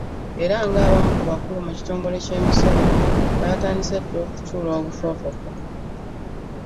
Era ng'abamu ku bakulu mu kitongole ky'emisolo baatandise dda okutuula obufofofo.